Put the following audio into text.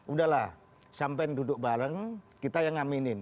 udahlah sampai duduk bareng kita yang ngaminin